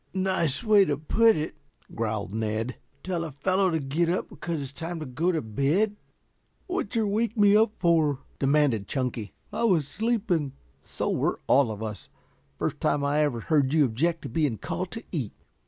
"Nice way to put it," growled Ned. "Tell a fellow to get up because it's time to go to bed." "Wat'cher wake me up for?" demanded Chunky. "I was sleeping." "So were all of us. First time I ever heard you object to being called to eat."